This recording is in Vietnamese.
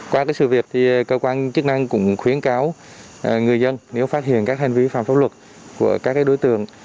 qua sự việc thì cơ quan chức năng cũng khuyến cáo người dân nếu phát hiện các hành vi phạm pháp luật của các đối tượng